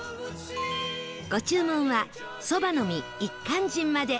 ご注文はそばの実一閑人まで